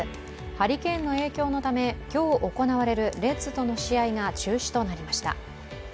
ハリケーンの影響のため今日行われるレッズとの試合が中止になりました。